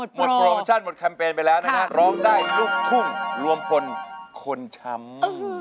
หมดโปรหมดแคมเปญไปแล้วนะครับร้องได้ลูกทุ่งรวมพลคนช้ำ